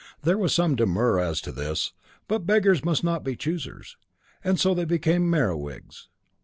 There was some demur as to this, but beggars must not be choosers. And so they become Merewigs.